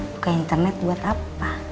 buka internet buat apa